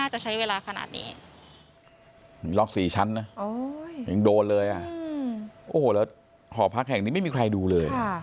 หอพักแห่งนี้ไม่มีใครดูเลย